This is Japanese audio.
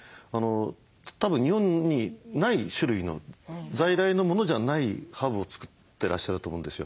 たぶん日本にない種類の在来のものじゃないハーブを作ってらっしゃると思うんですよ。